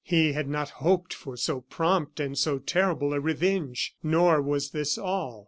He had not hoped for so prompt and so terrible a revenge. Nor was this all.